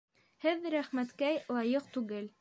Һеҙ рәхмәткә лайыҡ түгел